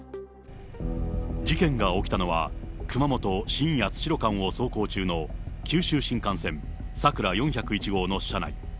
事件が起きたのは、熊本・新八代間を走行中の九州新幹線さくら４０１号の車内。